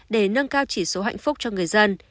để nâng cao chỉ số hạnh phúc cho người dân